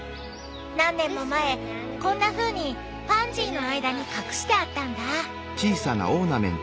何年も前こんなふうにパンジーの間に隠してあったんだ。